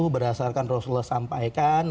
berdasarkan rasulullah sampaikan